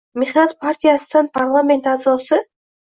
Mehnat partiyasidan parlament a'zosi D